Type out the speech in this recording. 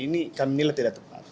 ini kami nilai tidak tepat